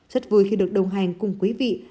rất vui khi được đồng hành cùng quý vị